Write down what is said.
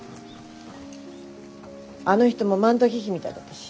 あの人もマントヒヒみたいだったし。